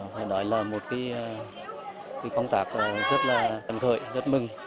phải nói là một công tác rất là thân thợi rất mừng